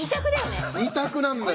２択なんだよね。